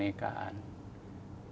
sehingga kita berpikir dalam kebenaran